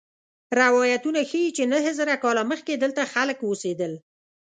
روایتونه ښيي چې نهه زره کاله مخکې دلته خلک اوسېدل.